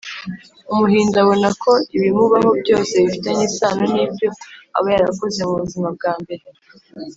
umuhindu abona ko ibimubaho byose bifitanye isano n’ibyo aba yarakoze mu buzima bwa mbere